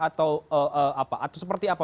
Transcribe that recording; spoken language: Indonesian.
atau apa atau seperti apa